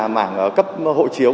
mảng cấp hộ chiếu